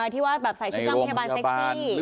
ที่ว่าใส่ชิ้นกล้ามผนักห้ามแทบบานเซ็กซี่